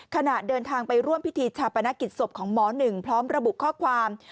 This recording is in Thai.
ขณะเดินทางไปร่วมพิธีชาปนกิจศพของหมอหนึ่งพร้อมระบุข้อความ